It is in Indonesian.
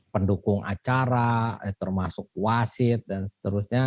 pendukung acara termasuk wasit dan seterusnya